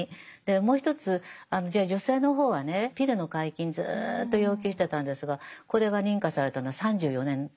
もう一つじゃあ女性の方はねピルの解禁ずっと要求してたんですがこれが認可されたのは３４年かかりましたんで。